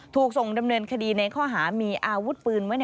ถูกส่งดำเนินคดีในข้อหามีอาวุธปืนไว้